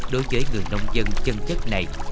đối với người nông dân chân chất này